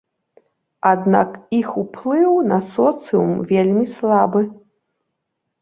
Аднак іх уплыў на соцыум вельмі слабы.